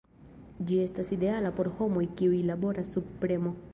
Ĝi estas ideala por homoj kiuj laboras sub premo.